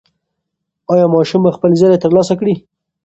ایا ماشوم به خپل زېری ترلاسه کړي؟